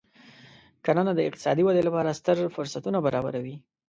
کرنه د اقتصادي ودې لپاره ستر فرصتونه برابروي.